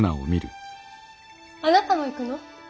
あなたも行くの？